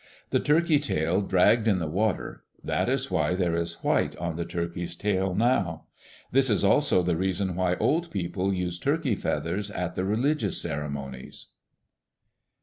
The turkey tail dragged in the water. That is why there is white on the turkey's tail now. This is also the reason why old people use turkey feathers at the religious ceremonies.